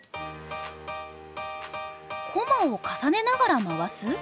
コマを重ねながら回す？